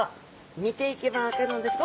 見ていけば分かるのですが。